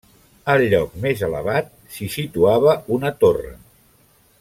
Al lloc més elevat s'hi situava una torre.